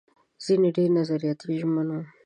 ځينې ډېر نظریاتي ژمن وو.